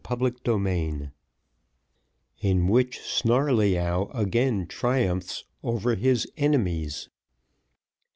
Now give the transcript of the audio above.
Chapter XXXI In which Snarleyyow again triumphs over his enemies.